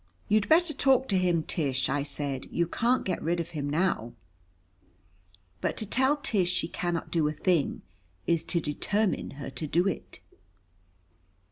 "You'd better talk to him, Tish," I said. "You can't get rid of him now." But to tell Tish she cannot do a thing is to determine her to do it.